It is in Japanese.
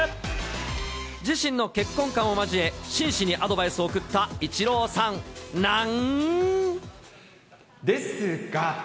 自身の結婚観を交え、真摯にアドバイスを送ったイチローさんなん。